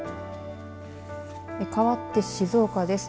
かわって静岡です。